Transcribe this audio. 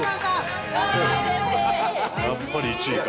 やっぱり１位か。